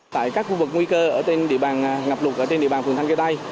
tại các khu vực nguy cơ ở trên địa bàn ngập lụt ở trên địa bàn phường thanh khê tây